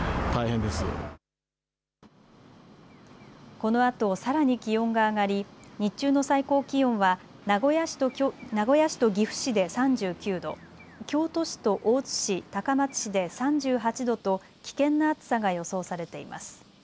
このあとさらに気温が上がり日中の最高気温は名古屋市と岐阜市で３９度、京都市と大津市、高松市で３８度と危険な暑さが予想されています。